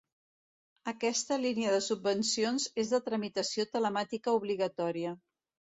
Aquesta línia de subvencions és de tramitació telemàtica obligatòria.